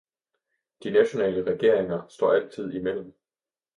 De nationale regeringer står altid imellem.